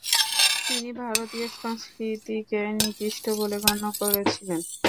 তিনি ভারতীয় সংস্কৃতিকে নিকৃষ্ট বলে গণ্য করেছিলেন।